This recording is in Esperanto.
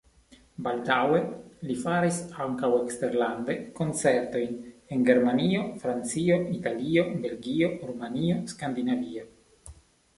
Baldaŭe li faris ankaŭ eksterlande koncertojn en Germanio, Francio, Italio, Belgio, Rumanio, Skandinavio.